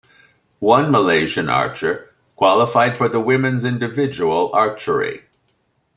One Malaysian archer qualified for the women's individual archery.